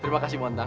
terima kasih montang